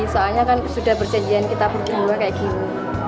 soalnya kan sudah perjanjian kita berdua kayak gini